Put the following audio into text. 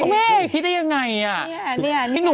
แม่คิดได้ยังไง